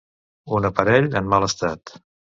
Un aparell en mal estat.